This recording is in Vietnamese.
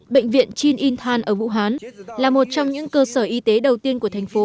bệnh viện chin in than ở vũ hán là một trong những cơ sở y tế đầu tiên của thành phố